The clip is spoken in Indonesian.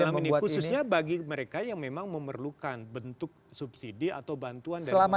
dalam ini khususnya bagi mereka yang memang memerlukan bentuk subsidi atau bantuan dari pemerintah